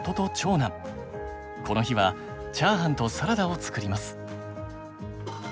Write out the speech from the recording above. この日はチャーハンとサラダをつくります。